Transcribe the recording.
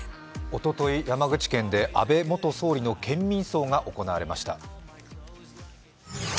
おととい、山口県で安倍元総理の県民葬が行われました。